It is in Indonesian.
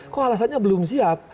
kok alasannya belum siap